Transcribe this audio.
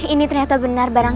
ini ternyata benar barangku